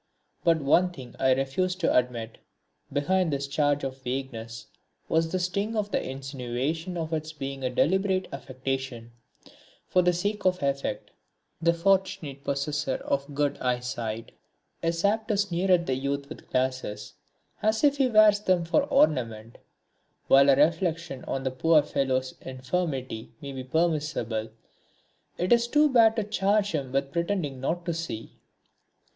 But one thing I refuse to admit. Behind this charge of vagueness was the sting of the insinuation of its being a deliberate affectation for the sake of effect. The fortunate possessor of good eye sight is apt to sneer at the youth with glasses, as if he wears them for ornament. While a reflection on the poor fellow's infirmity may be permissible, it is too bad to charge him with pretending not to see.